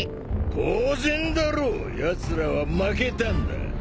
当然だろうやつらは負けたんだ。